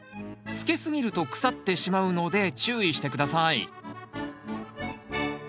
つけすぎると腐ってしまうので注意して下さい。